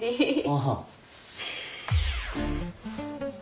ああ。